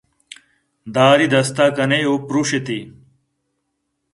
دارے دست ءَ کن ئے ءُ پرٛوشیتے